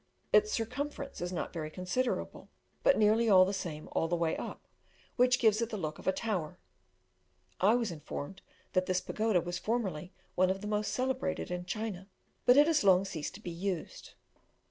Its circumference is not very considerable, but nearly the same all the way up, which gives it the look of a tower. I was informed that this pagoda was formerly one of the most celebrated in China, but it has long ceased to be used.